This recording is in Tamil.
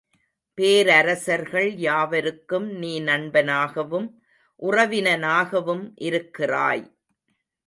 பேரரசர்கள் யாவருக்கும் நீ நண்பனாகவும் உறவினனாகவும் இருக்கிறாய்.